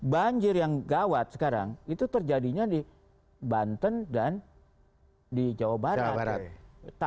banjir yang gawat sekarang itu terjadinya di banten dan di jawa barat